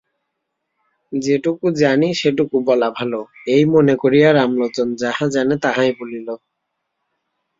যেটুকু জানি সেটুকু বলা ভালো, এই মনে করিয়া রামলোচন যাহা জানে তাহাই বলিল।